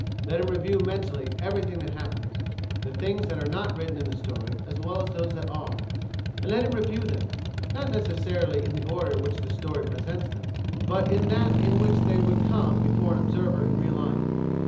Let him review mentally everything that happens the things that are not written in the story as well as those that are and let him review them, not necessarily in the order in which the story presents them, but in that in which they would come before an observer in real life.